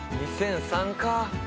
２００３かあ。